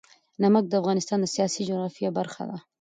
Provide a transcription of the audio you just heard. نمک د افغانستان د سیاسي جغرافیه برخه ده.